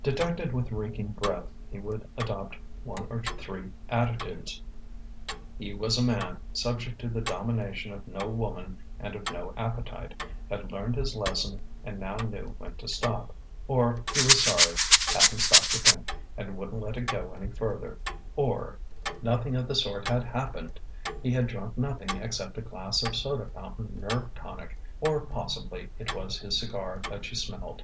Detected with reeking breath, he would adopt one of three attitudes: he was a man, subject to the domination of no woman and of no appetite, had learned his lesson and now knew when to stop; or he was sorry hadn't stopped to think and wouldn't let it go any further; or nothing of the sort had happened, he had drunk nothing except a glass of soda fountain nerve tonic, or possibly it was his cigar that she smelled.